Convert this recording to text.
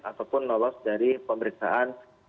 ataupun lolos dari pemeriksaan